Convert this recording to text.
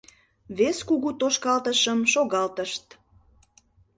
Вес кугу тошкалтышым шогалтышт.